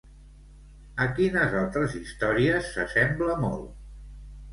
A quines altres històries s'assembla molt?